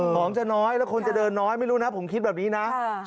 ของจะน้อยแล้วคนจะเดินน้อยไม่รู้นะผมคิดแบบนี้นะ